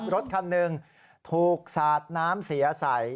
รถคันหนึ่งถูกสาดน้ำเสียใส่